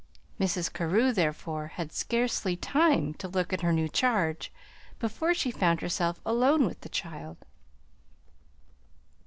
Mrs. Carew, therefore, had scarcely time to look at her new charge before she found herself alone with the child.